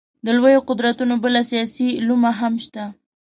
د لویو قدرتونو بله سیاسي لومه هم شته.